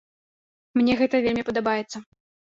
Мне гэта вельмі падабаецца.